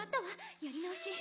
やり直し！